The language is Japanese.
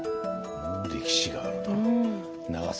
歴史があるな。